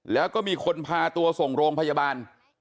แล้วก็มีคนพาตัวส่งโรงพยาบาล